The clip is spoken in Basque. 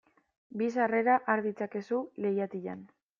Bi sarrera har ditzakezu leihatilan.